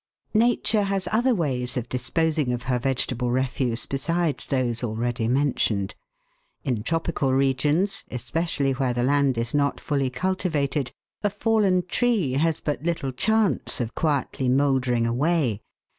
NATURE has other ways of disposing of her vegetable refuse besides those already mentioned. In tropical regions, especially where the land is not fully cultivated, a fallen tree has but little chance of quietly mouldering away.